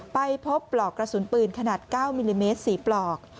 ไปพบปลอกกระสุนปืนขนาด๙มิลลิเมตร๔ปลอก